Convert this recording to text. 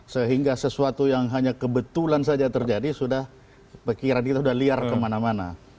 sehingga sesuatu yang hanya kebetulan saja terjadi sudah pikiran kita sudah liar kemana mana